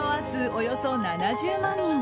およそ７０万人。